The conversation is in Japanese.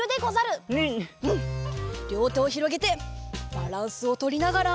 りょうてをひろげてバランスをとりながら。